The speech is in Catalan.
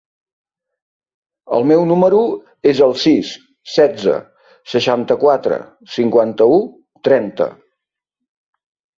El meu número es el sis, setze, seixanta-quatre, cinquanta-u, trenta.